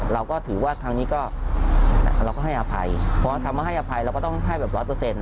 เราก็ถือว่าทางนี้ก็เราก็ให้อภัยเพราะคำว่าให้อภัยเราก็ต้องให้แบบร้อยเปอร์เซ็นต